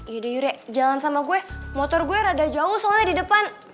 yuda yuria jalan sama gue motor gue rada jauh soalnya di depan